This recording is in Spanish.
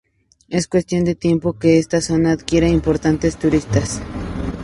Es cuestión de tiempo que esta zona adquiera importancia turística.